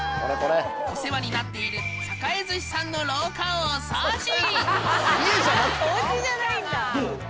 お世話になっている栄寿しさんの廊下をお掃除！